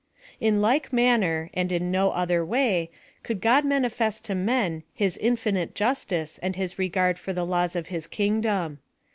In like manner, and in no other way, could God manifest to men his infinite justice and his regard for the laws of his kingdom.